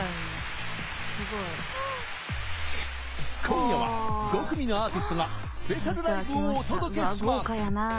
今夜は５組のアーティストがスペシャルライブをお届けします。